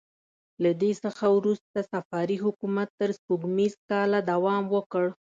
له دې څخه وروسته صفاري حکومت تر سپوږمیز کاله دوام وکړ.